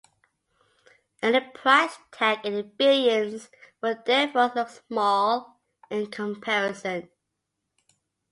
Any price tag in the billions would therefore look small in comparison.